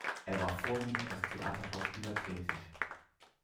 Er war vorwiegend als Theaterschauspieler tätig.